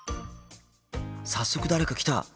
早速誰か来た！